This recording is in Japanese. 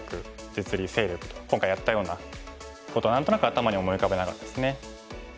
実利勢力と今回やったようなことを何となく頭に思い浮かべながらですね